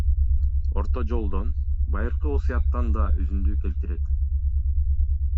Орто жолдон — Байыркы Осуяттан да үзүндү келтирет.